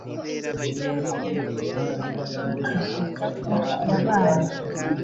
Kubw'urupfu rwe no kubwo kuzuka kwe, yabaye